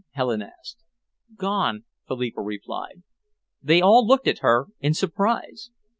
Helen asked. "Gone," Philippa replied. They all looked at her in surprise.